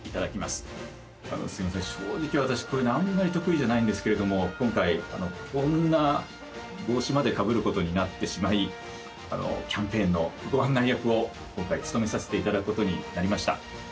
すみません、正直、私こういうのあんまり得意じゃないんですけれども今回、こんな帽子までかぶることになってしまいキャンペーンのご案内役を今回、務めさせていただくことになりました。